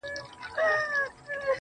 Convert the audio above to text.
او بمبتۍ ور اچولي وې